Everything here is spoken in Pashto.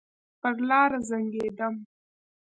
پر لار زنګېدم.